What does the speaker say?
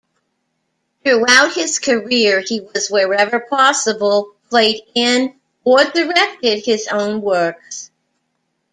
Throughout his career he has wherever possible played in or directed his own works.